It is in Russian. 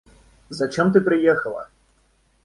Зачем ты приехала?